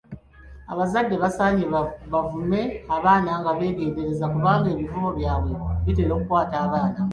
Abazadde basaanye bavume abaana nga beegendereza kubanga ebivumo byabwe bitera okukwata abaana.